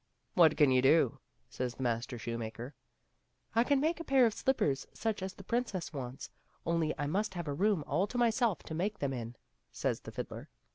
" What can you do ?" says the master shoemaker. " I can make a pair of slippers such as the princess wants, only I must have a room all to myself to make them in," says the fiddler.